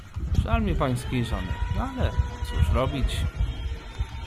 "Żal mi pańskiej żony, ale cóż robić?"